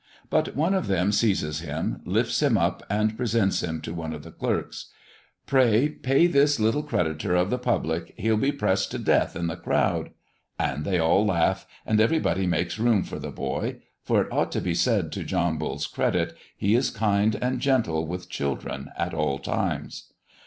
But one of them seizes him, lifts him up, and presents him to one of the clerks. "Pray pay this little creditor of the public; he'll be pressed to death in the crowd!" And they all laugh, and everybody makes room for the boy; for it ought to be said to John Bull's credit, he is kind and gentle with children at all times.